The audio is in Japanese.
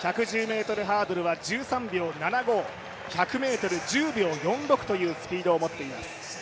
１１０ｍハードルは１３秒７５、１００ｍ１０秒４６というスピードを持っています。